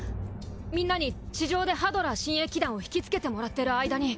みんなに地上でハドラー親衛騎団をひきつけてもらってる間に。